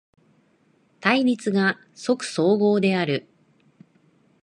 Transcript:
対立が即綜合である。